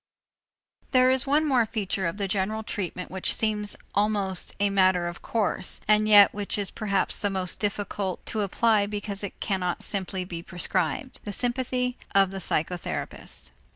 There is one more feature of general treatment which seems almost a matter of course, and yet which is perhaps the most difficult to apply because it cannot simply be prescribed: the sympathy of the psychotherapist.